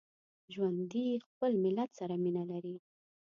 ژوندي خپل ملت سره مینه لري